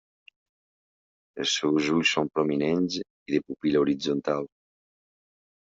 Els seus ulls són prominents i de pupil·la horitzontal.